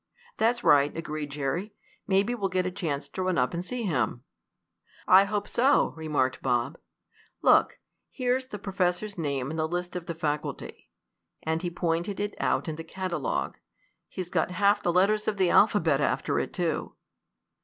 "That's right!" agreed Jerry. "Maybe we'll get a chance to run up and see him." "I hope so," remarked Bob. "Look! Here's the professor's name in the list of the faculty," and he pointed it out in the catalogue. "He's got half the letters of the alphabet after it, too."